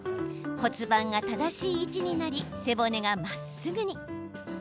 骨盤が正しい位置になり背骨がまっすぐに。